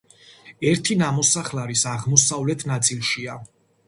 ერთი ნამოსახლარის აღმოსავლეთ ნაწილშია.